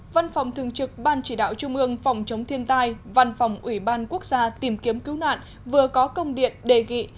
văn phòng thường trực ban chỉ đạo trung ương phòng chống thiên tai văn phòng ủy ban quốc gia tìm kiếm cứu nạn vừa có công điện đề nghị